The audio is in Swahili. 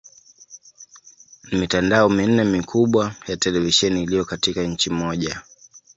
Ni mitandao minne mikubwa ya televisheni iliyo katika nchi moja.